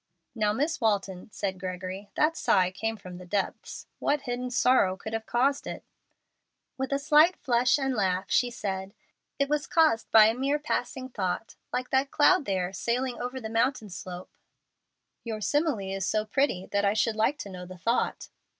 "Now, Miss Walton," said Gregory, "that sigh came from the depths. What hidden sorrow could have caused it?" With a slight flush and laugh, she said, "It was caused by a mere passing thought, like that cloud there sailing over the mountain slope." "Your simile is so pretty that I should like to know the thought."